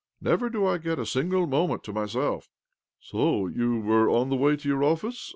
Never do I get a single moment to myself." " So you were on the way to your office ?